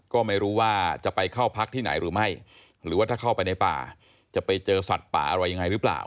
ก็ไม่รู้ว่าจะไปเข้าพักที่ไหนหรือไม่หรือว่าถ้าเข้าไปในป่าจะไปเจอสัตว์ป่าอะไรยังไงหรือเปล่า